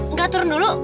nggak turun dulu